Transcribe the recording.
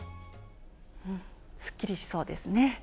すっきりしそうですね。